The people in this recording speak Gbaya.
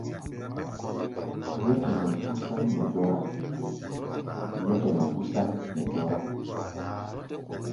Yɛ́kɛlɛ gusáʼm nɛ dɔ́rá.